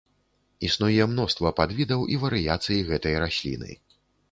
Існуе мноства падвідаў і варыяцый гэтай расліны.